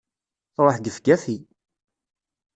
truḥ gefgafi!